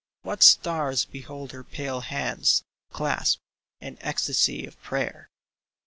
What stars behold her pale hands, clasped In ecstasy of prayer